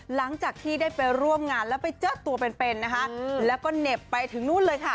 หลังจากที่ได้ไปร่วมงานแล้วไปเจอตัวเป็นเป็นนะคะแล้วก็เหน็บไปถึงนู่นเลยค่ะ